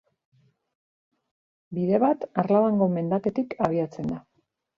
Bide bat, Arlabango mendatetik abiatzen da.